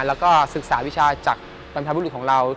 แล้วก็ศึกษาวิชาจากปัญหาผู้หลูกของเรา